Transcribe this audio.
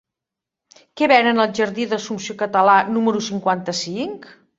Què venen al jardí d'Assumpció Català número cinquanta-cinc?